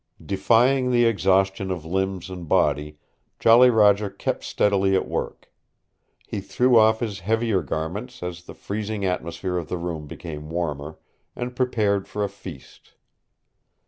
Defying the exhaustion of limbs and body, Jolly Roger kept steadily at work. He threw off his heavier garments as the freezing atmosphere of the room became warmer, and prepared for a feast.